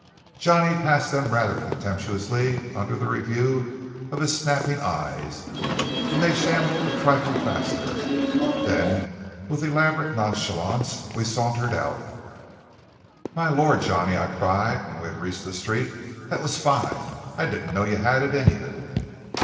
Johnny passed them rather contemptuously under the review of his snapping eyes, and they shambled a trifle faster. Then, with elaborate nonchalance, we sauntered out. "My Lord, Johnny!" I cried when we had reached the street, "that was fine! I didn't know you had it in you!"